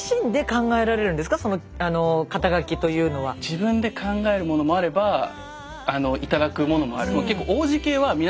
自分で考えるものもあれば頂くものもある。